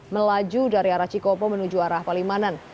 melaju dari arah cikopo menuju arah palimanan